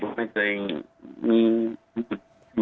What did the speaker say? คุณประทีบขอแสดงความเสียใจด้วยนะคะ